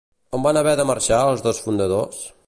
On van haver de marxar els dos fundadors?